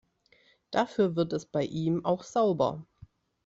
Dafür wird es bei ihm auch sauber.